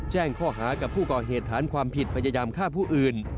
แจ้งข้อหากับผู้ก่อเหตุฐานความผิดพยายามฆ่าผู้อื่น